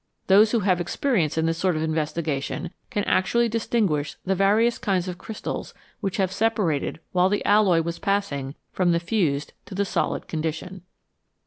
Those who have experience in this sort of investigation can actually distinguish the various kinds of crystals which have separated while the alloy was passing from the fused to the solid condition.